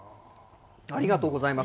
ありがとうございます。